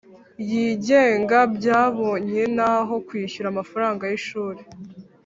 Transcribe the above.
yigenga byabonye naho kwishyura amafaranga y ishuri